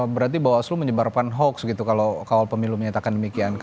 berarti bawaslu menyebarkan hoax gitu kalau kawal pemilu menyatakan demikian